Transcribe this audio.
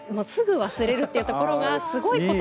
すぐ忘れるっていうところがいい。